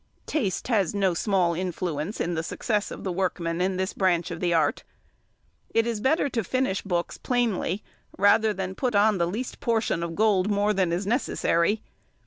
Taste has no small influence in the success of the workman in this branch of the art. It is better to finish books plainly, rather than put on the least portion of gold more than is necessary.